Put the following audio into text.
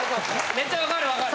めっちゃ分かる分かる。